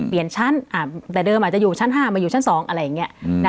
เปลี่ยนชั้นอ่าแต่เดิมอาจจะอยู่ชั้นห้ามาอยู่ชั้นสองอะไรอย่างเงี้ยอืม